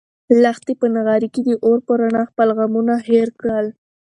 لښتې په نغري کې د اور په رڼا خپل غمونه هېر کړل.